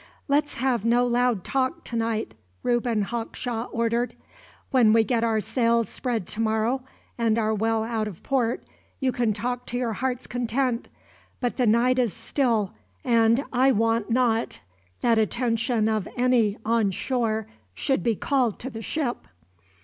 "Let us have no loud talk, tonight," Reuben Hawkshaw ordered. "When we get our sails spread tomorrow, and are well out of port, you can talk to your hearts' content; but the night is still, and I want not that attention of any on shore should be called to the ship.